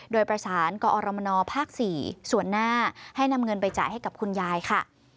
โดยประสานกอรมนภ๔ส่วนหน้าให้นำเงินไปจ่ายให้กับคุณยายค่ะ